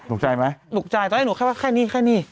ตกใจไหมตกใจตอนนี้หนูแค่นี้